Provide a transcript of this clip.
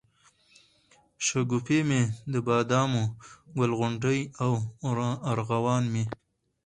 شګوفې مي دبادامو، ګل غونډۍ او ارغوان مي